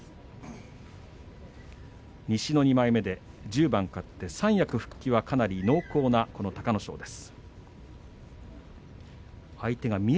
西の２枚目１０番勝って三役復帰はかなり濃厚な隆の勝です。